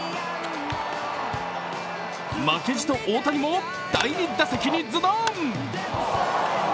負けじと大谷も第２打席にズドーン！